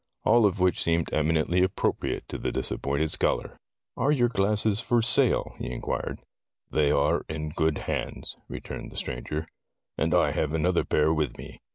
All of which seemed eminently ap propriate to the disappointed scholar. ''Are your glasses for sale.?'' he in quired. "They are in good hands," returned the stranger, "and I have another pair with me.